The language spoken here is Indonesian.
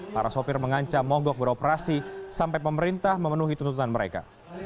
para sopir mengancam mogok beroperasi sampai pemerintah memenuhi tuntutan mereka